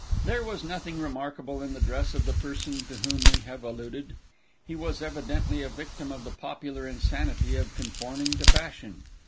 There was nothing remarkable in the dress of the person to whom we have alluded. He was evidently a victim to the popular insanity of conforming to fashion.